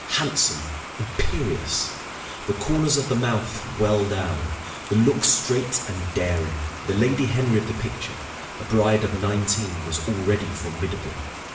Handsome, imperious, the corners of the mouth well down, the look straight and daring the Lady Henry of the picture, a bride of nineteen, was already formidable.